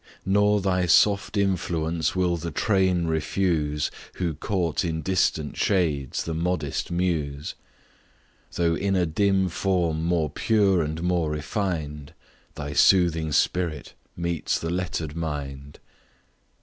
Nor thy soft influence will the train refuse, Who court in distant shades the modest Muse, Though in a form more pure and more refined, Thy soothing spirit meets the letter'd mind.